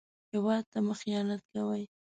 هېواد ته مه خيانت کوئ